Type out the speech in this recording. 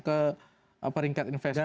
ke peringkat investment